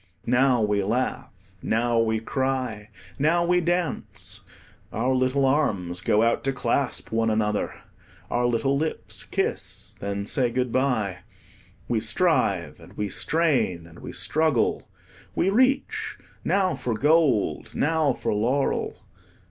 Now we laugh, now we cry, now we dance; our little arms go out to clasp one another, our little lips kiss, then say good bye. We strive, and we strain, and we struggle. We reach now for gold, now for laurel.